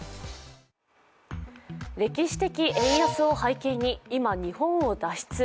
歴史的円安を背景に今、日本を脱出。